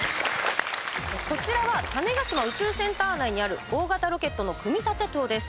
こちらは種子島宇宙センター内にある大型ロケットの組立棟です。